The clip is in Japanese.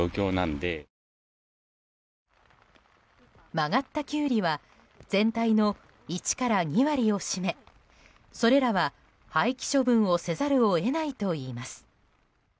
曲がったキュウリは全体の１から２割を占めそれらは廃棄処分せざるを得ないといいます。